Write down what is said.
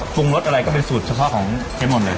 พรุ่งรสอะไรก็ให้สูดเฉพาะของเจ๊หม่อนเลย